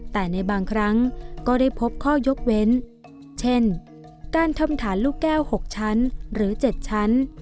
แต่ในบางครั้งก็ได้พบข้อยกเว้นเช่นการทำฐานลูกแก้ว๖ชั้นหรือ๗ชั้น